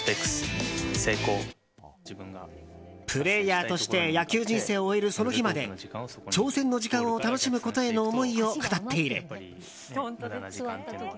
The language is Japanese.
プレーヤーとして野球人生を終えるその日まで挑戦の時間を楽しむことへの思いを語っている。